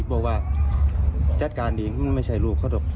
บอกว่าจัดการเองมันไม่ใช่ลูกเขาหรอก